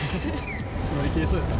乗りきれそうですか？